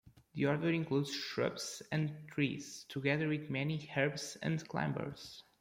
The order includes shrubs and trees, together with many herbs and climbers.